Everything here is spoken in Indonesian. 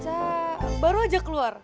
icah baru aja keluar